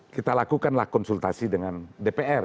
kita lakukanlah konsultasi dengan dpr